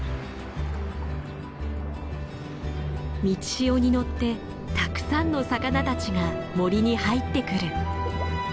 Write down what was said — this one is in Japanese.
満ち潮に乗ってたくさんの魚たちが森に入ってくる。